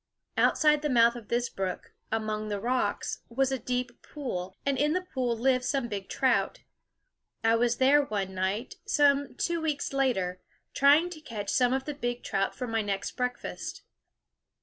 Outside the mouth of this brook, among the rocks, was a deep pool; and in the pool lived some big trout. I was there one night, some two weeks later, trying to catch some of the big trout for my next breakfast.